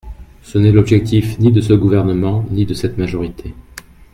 Ce n’est l’objectif ni de ce gouvernement, ni de cette majorité.